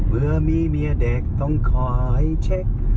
เมื่อมีเมียเด็กต้องคอยเช็ค